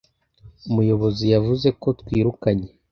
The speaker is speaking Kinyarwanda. Umuyobozi yavuze ko twirukanye